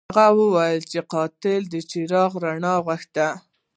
هغه وویل چې قاتل د څراغ رڼا غوښته.